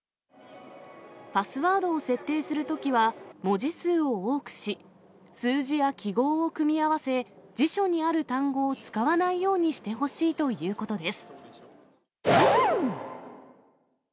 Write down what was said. パスワードを設定するときは、文字数を多くし、数字や記号を組み合わせ、辞書にある単語を使わないようにしてほしいということです。